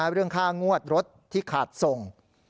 เรื่องค่างวดรถที่ขาดส่ง